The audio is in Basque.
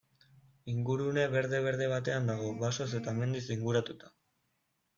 Ingurune berde-berde batean dago, basoz eta mendiz inguratuta.